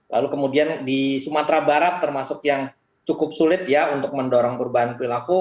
lalu kemudian di sumatera barat termasuk yang cukup sulit ya untuk mendorong perubahan perilaku